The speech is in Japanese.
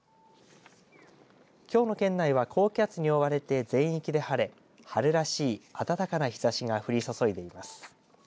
きょうの県内は高気圧に覆われて全域で晴れ春らしい暖かな日ざしが降り注いでいます。